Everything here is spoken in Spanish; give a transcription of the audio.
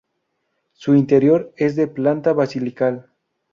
Su interior es de planta basilical.